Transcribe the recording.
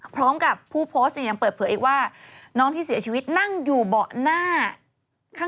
พร้อมกับผู้โพสต์เนี่ยยังเปิดเผยอีกว่าน้องที่เสียชีวิตนั่งอยู่เบาะหน้าข้าง